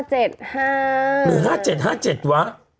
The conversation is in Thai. หรือ๕๗๕๗วะ